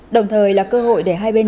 đồng thời là cơ hội để hai bên